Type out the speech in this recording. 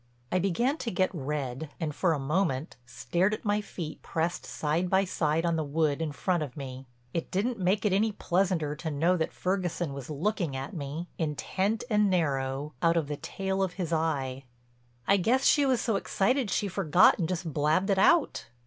I began to get red, and for a moment, stared at my feet pressed side by side on the wood in front of me. It didn't make it any pleasanter to know that Ferguson was looking at me, intent and narrow, out of the tail of his eye. "I guess she was so excited she forgot and just blabbed it out."